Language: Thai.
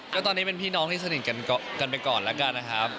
ก็ตอนนี้เป็นพี่น้องที่สนิทกันไปก่อนแล้วกันนะครับ